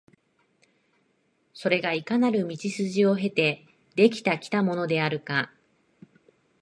それがいかなる道筋を経て出来てきたものであるか、